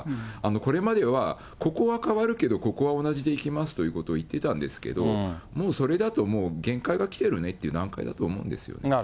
これまでは、ここは変わるけど、ここは同じでいきますということを言っていたんですけど、もうそれだともう、限界が来てるねって、段階だと思うんですよね。